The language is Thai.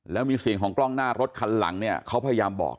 แล้วมีเสียงของกล้องหน้ารถคันหลังเนี่ยเขาพยายามบอก